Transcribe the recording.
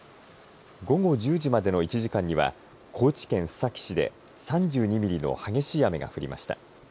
午後１０時までの１時間には高知県須崎市で３２ミリの激しい雨が降りました。